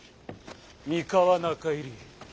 三河中入り